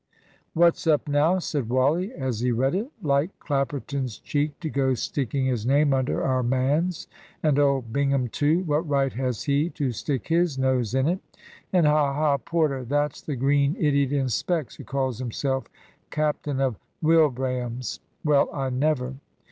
"What's up now?" said Wally, as he read it. "Like Clapperton's cheek to go sticking his name under our man's and old Bingham, too! What right has he to stick his nose in it? and, ha, ha, Porter! that's the green idiot in specs, who calls himself captain of Wilbraham's! Well, I never!"